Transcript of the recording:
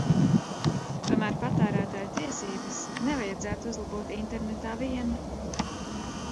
Tomēr patērētāju tiesības nevajadzētu uzlabot internetā vien.